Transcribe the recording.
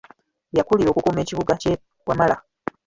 Yakulira okukuuma ekibuga ky’e Wamala.